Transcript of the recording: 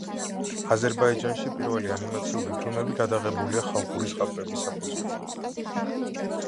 აზერბაიჯანში პირველი ანიმაციური ფილმები გადაღებულია ხალხური ზღაპრების საფუძველზე.